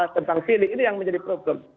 tentang pilih ini yang menjadi problem